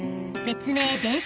［別名］